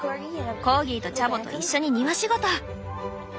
コーギーとチャボと一緒に庭仕事！